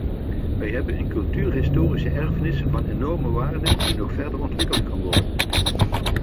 Wij hebben een cultuur-historische erfenis van enorme waarde die nog verder ontwikkeld kan worden.